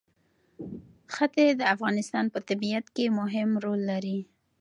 ښتې د افغانستان په طبیعت کې مهم رول لري.